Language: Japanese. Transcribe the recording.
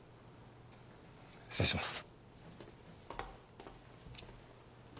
失礼します。